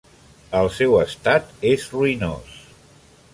El seu estat és ruïnós.